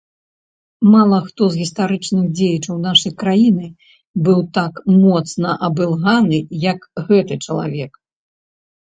Мала хто з гістарычных дзеячаў нашай краіны быў так моцна абылганы, як гэты чалавек.